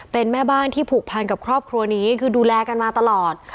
เป็นแม่บ้านที่ผูกพันกับครอบครัวนี้คือดูแลกันมาตลอด